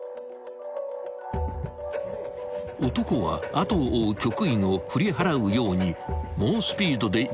［男は後を追う局員を振り払うように猛スピードで自転車をこぎ